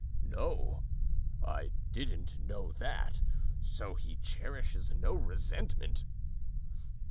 "No, I didn't know that. So he cherishes no resentment?"